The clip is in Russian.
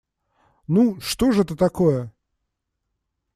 Ну, что ж это такое!